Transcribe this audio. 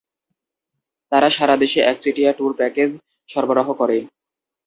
তারা সারা দেশে একচেটিয়া ট্যুর প্যাকেজ সরবরাহ করে।